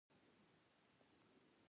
زغم، پوهې ته ښه ملګری دی.